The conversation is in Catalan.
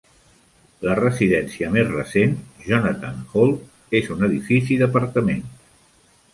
La residència més recent, Jonathan Hall- és un edifici d'apartaments.